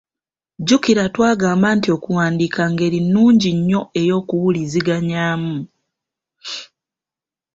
Jjukira twagamba nti okuwandiika ngeri nnungi nnyo ey’okuwuliziganyaamu.